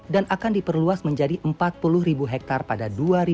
dan akan diperluas menjadi empat puluh hektar pada dua ribu dua puluh tiga